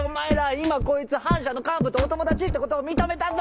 今こいつ反社の幹部とお友達ってことを認めたぞ！